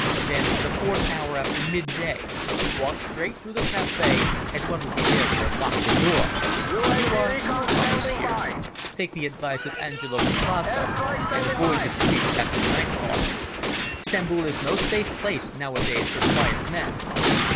"Then the fourth hour after midday. Walk straight through the cafe and one will be there to unlock the door. You are new comers here? Take the advice of Angelo Kuprasso and avoid the streets after nightfall. Stamboul is no safe place nowadays for quiet men."